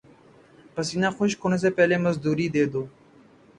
پسینہ خشک ہونے سے پہلے مزدوری دے دو